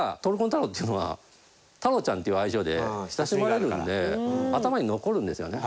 太郎っていうのは「太郎ちゃん」っていう愛称で親しまれるんで頭に残るんですよね。